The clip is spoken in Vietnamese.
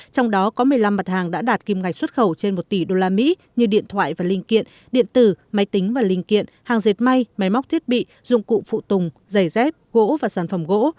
trong đó có một mươi năm mặt hàng đã đạt kim ngạch xuất khẩu trên một tỷ usd như điện thoại và linh kiện điện tử máy tính và linh kiện hàng dệt may máy móc thiết bị dụng cụ phụ tùng giày dép gỗ và sản phẩm gỗ